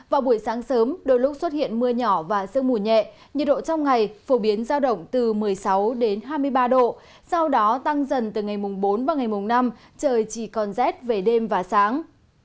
vào buổi sáng sớm đôi lúc xuất hiện mưa nhỏ và sương mù nhẹ nhiệt độ trong ngày phổ biến giao động từ một mươi sáu đến hai mươi ba độ sau đó tăng dần từ ngày mùng bốn và ngày mùng năm trời chỉ còn rét về đêm và sáng